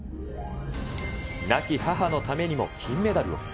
亡き母のためにも金メダルを。